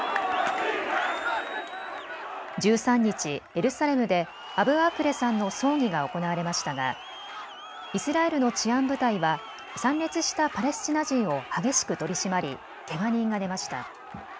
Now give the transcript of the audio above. １３日、エルサレムでアブアークレさんの葬儀が行われましたがイスラエルの治安部隊は参列したパレスチナ人を激しく取締りけが人が出ました。